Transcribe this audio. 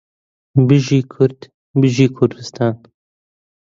بژی کورد بژی کوردستان